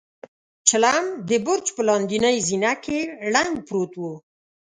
چيلم د برج په لاندنۍ زينه کې ړنګ پروت و.